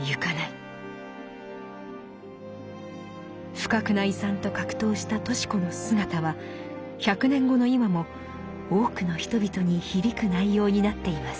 「不覚な違算」と格闘したとし子の姿は１００年後の今も多くの人々に響く内容になっています。